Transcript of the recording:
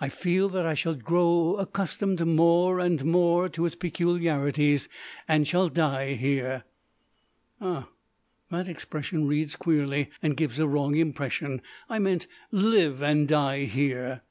I feel that I shall grow accustomed more and more to its peculiarities, and shall die here. Ah, that expression reads queerly and gives a wrong impression: I meant live and die here.